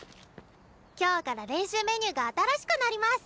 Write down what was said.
今日から練習メニューが新しくなります。